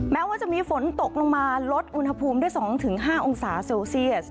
แม้ว่าจะมีฝนตกลงมาลดอุณหภูมิได้๒๕องศาเซลเซียส